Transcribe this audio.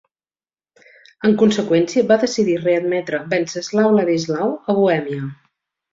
En conseqüència, va decidir readmetre Venceslau-Ladislau a Bohèmia.